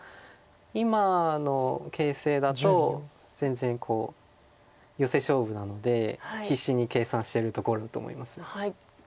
今の形勢だと全然こうヨセ勝負なので必死に計算してるところだと思います。